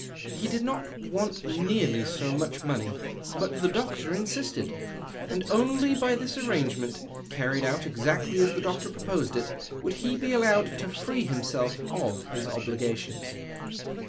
He did not want nearly so much money, but the doctor insisted, and only by this arrangement, carried out exactly as the doctor proposed it, would he be allowed to free himself of his obligations.